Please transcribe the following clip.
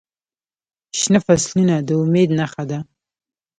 شنه فصلونه د امید نښه ده.